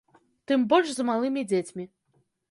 Тым больш з малымі дзецьмі.